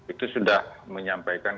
itu sudah menyampaikan